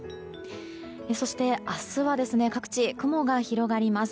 そして明日は各地、雲が広がります。